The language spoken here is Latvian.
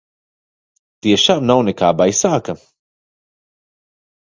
Tiešām nav nekā baisāka?